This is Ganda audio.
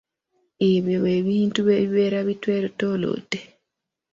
Ebyo bye bintu ebibeera bitwetoolodde.